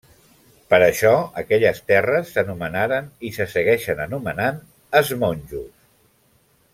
Per això aquelles terres s'anomenaren, i se segueixen anomenant, Es Monjos.